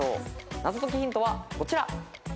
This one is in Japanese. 謎解きヒントはこちら。